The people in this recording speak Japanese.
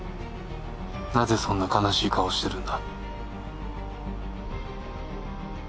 なぜそんな悲しい顔をしてるんだ？